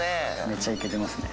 めっちゃイケてますね。